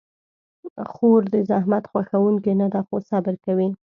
خور د زحمت خوښونکې نه ده، خو صبر کوي.